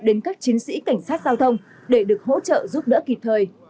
đến các chiến sĩ cảnh sát giao thông để được hỗ trợ giúp đỡ kịp thời